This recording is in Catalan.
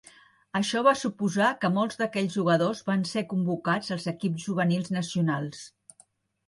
Això va suposar que molts d’aquells jugadors van ser convocats als equips juvenils nacionals.